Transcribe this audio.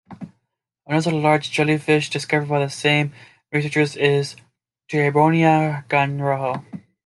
Another large jellyfish discovered by the same researchers is "Tiburonia granrojo".